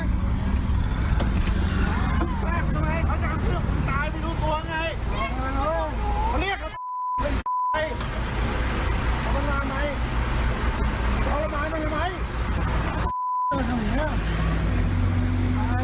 กระจกทำไมเค้าจะเอาเพื่อนคนตายไม่รู้ตัวไง